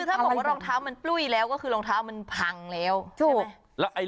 คือถ้าบอกว่ารองเท้ามันปลุ้ยแล้วก็คือรองเท้ามันพังแล้วถูกแล้วไอ้